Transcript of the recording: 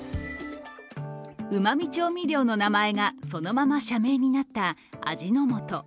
うま味調味料の名前がそのまま社名になった味の素。